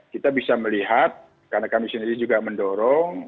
kita bisa melihat karena kami sendiri juga mendorong